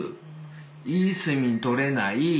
いい睡眠とれない。